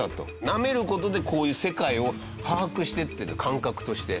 なめる事でこういう世界を把握していってる感覚として。